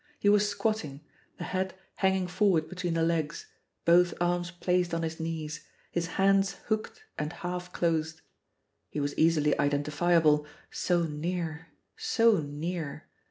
He was squatting, the head hanging forward between the legs, both arms placed on his knees, his hands hooked and half closed. He was easily identifiable so near, so near!